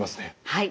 はい。